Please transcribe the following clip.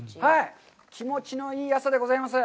気持ちのいい朝でございます。